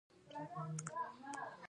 د کلتوري صادراتو ارزښت څومره دی؟